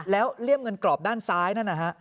แล้วเลี่ยมเงินกรอบด้านซ้ายนั่นนะฮะ